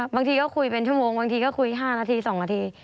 บางทีก็คุยเป็นชั่วโมงบางทีก็คุย๕นาที๒นาที